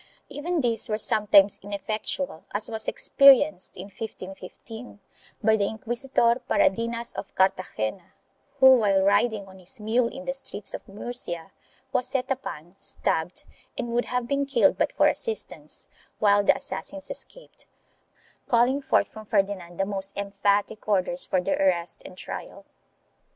Even these were sometimes ineffectual as was experienced, in 1515, by the inquisitor Paradinas of Cartagena, who, while riding on his mule in the streets of Murcia, was set upon, stabbed and would have been killed but for assistance, while the assassins escaped, calling forth from Ferdinand the most emphatic orders for their arrest and trial.